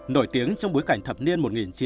nổi tiếng trong bối cảnh thập niên